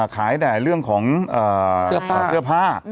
ขายแต่เรื่องของเสื้อผ้า